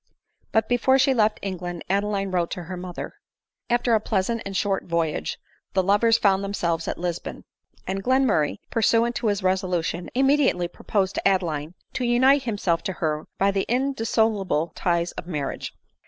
But before she left England Adeline wrote to her mother. After a pleasant and short voyage the lovers found themselves at Lisbon ; and Glenmurray, pursuant to his resolution, immediately proposed to Adeline to unite himself to her by the indissoluble ties of marriage.